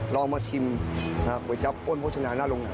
ลองมาชิมก๋วยจับอ้นโภชนาน่าลง